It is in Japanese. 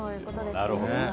なるほど。